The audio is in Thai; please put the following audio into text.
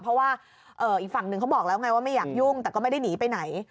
เพราะว่าอีกฝั่งหนึ่งเขาบอกแล้วไงว่าไม่อยากยุ่งแต่ก็ไม่ได้หนีไปไหน